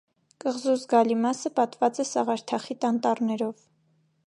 Կղզու զգալի մասը պատված է սաղարթախիտ անտառներով։